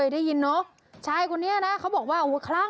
มาไอ้ตีด้วย